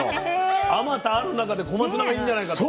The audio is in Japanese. あまたある中で小松菜がいいんじゃないかと？